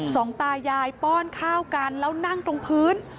สองตายายป้อนข้าวกันแล้วนั่งตรงพื้น